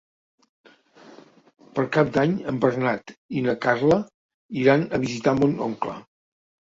Per Cap d'Any en Bernat i na Carla iran a visitar mon oncle.